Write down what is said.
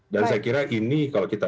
dan saya kira ini kalau kita